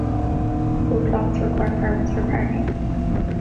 Both lots require permits for parking.